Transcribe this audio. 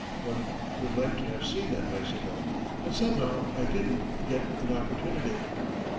One would like to have seen that bicycle, but somehow I didn't get an opportunity.